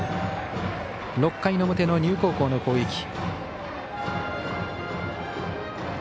６回の表の丹生高校の攻撃。